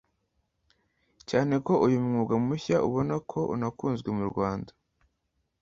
cyane ko uyu mwuga mushya ubona ko unakunzwe mu Rwanda